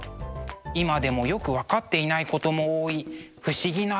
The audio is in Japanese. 今でもよく分かっていないことも多い不思議な絵師のようですね。